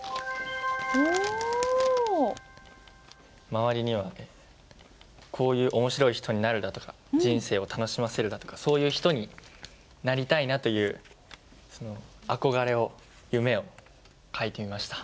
周りにはこういう「面白い人になる」だとか「人生を楽しませる」だとかそういう人になりたいなという憧れを夢を書いてみました。